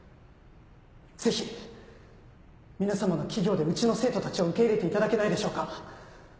ぜひ皆様の企業でうちの生徒たちを受け入れていただけないでしょうか。